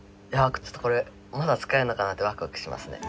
ちょっとこれまだ使えるのかなってワクワクしますね。